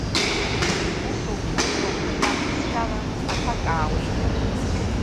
Усоуп, усоуп, жәҩан бызшәала аҭак аауеит.